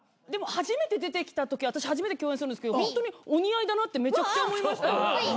でも初めて出てきたとき私初めて共演するんですけどホントにお似合いだなってめちゃくちゃ思いました。